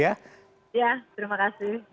ya terima kasih